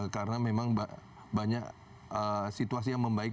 karena memang banyak situasi yang membaik